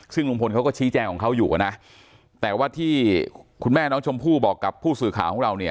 ซึ่งลุงพลเขาก็ชี้แจงของเขาอยู่นะแต่ว่าที่คุณแม่น้องชมพู่บอกกับผู้สื่อข่าวของเราเนี่ย